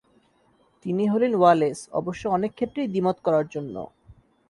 তিনি হলেন ওয়ালেস, অবশ্য অনেক ক্ষেত্রেই দ্বিমত করার জন্য।